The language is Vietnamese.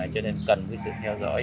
cho nên cần quý sĩ theo dõi